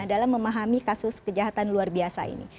dalam memahami kasus kejahatan luar biasa ini